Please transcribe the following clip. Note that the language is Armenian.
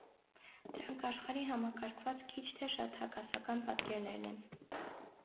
Դրանք աշխարհի համակարգված, քիչ թե շատ հակասական պատկերներն են։